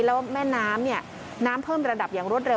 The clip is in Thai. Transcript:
แล้วแม่น้ำเนี่ยน้ำเพิ่มระดับอย่างรวดเร็